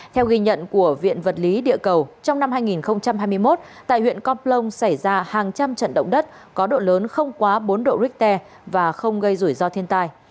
theo ghi nhận của viện vật lý địa cầu trong năm hai nghìn hai mươi một tại huyện con plong xảy ra hàng trăm trận động đất có độ lớn không quá bốn độ richter và không gây rủi ro thiên tai